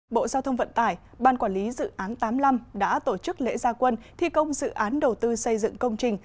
bộ giao thông vận tải ban quản lý dự án tám mươi năm đã tổ chức lễ gia quân thi công dự án đầu tư xây dựng công trình